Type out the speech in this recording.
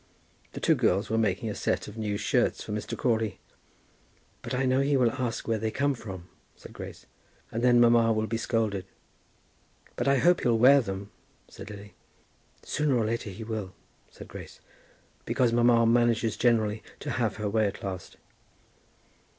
The two girls were making a set of new shirts for Mr. Crawley. "But I know he will ask where they come from," said Grace; "and then mamma will be scolded." "But I hope he'll wear them," said Lily. "Sooner or later he will," said Grace; "because mamma manages generally to have her way at last."